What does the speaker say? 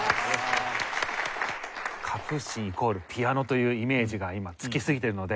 カプースチンイコールピアノというイメージが今つきすぎてるので。